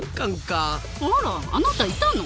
あらあなたいたの？